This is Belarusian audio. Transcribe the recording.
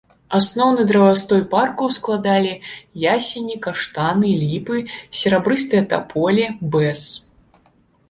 Асноўны дрэвастой парку складалі ясені, каштаны, ліпы, серабрыстыя таполі, бэз.